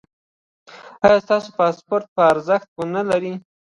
ایا ستاسو پاسپورت به ارزښت و نه لري؟